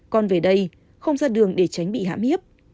con về đây không ra đường để tránh bị hãm hiếp